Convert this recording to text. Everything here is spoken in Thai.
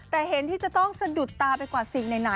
แต่เห็นที่จะต้องสะดุดตาไปกว่าสิ่งไหน